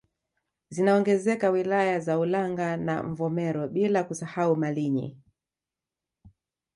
Zinaongezeka wilaya za Ulanga na Mvomero bila kusahau Malinyi